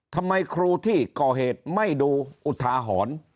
ทำไมครูที่ก่อเหตุไม่ดูอุทาหรณ์